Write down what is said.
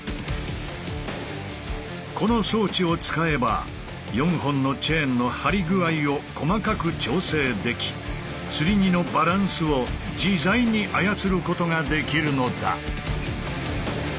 この装置を使えば４本のチェーンの張り具合を細かく調整できつり荷のバランスを自在に操ることができるのだ。